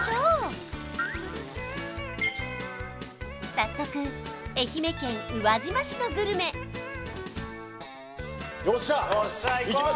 早速愛媛県宇和島市のグルメよっしゃい